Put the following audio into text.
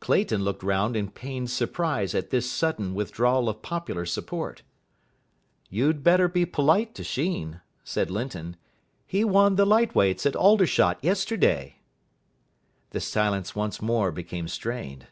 Clayton looked round in pained surprise at this sudden withdrawal of popular support. "You'd better be polite to Sheen," said Linton; "he won the Light Weights at Aldershot yesterday." The silence once more became strained.